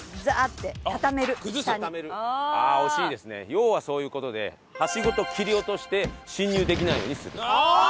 要はそういう事で橋ごと切り落として侵入できないようにする。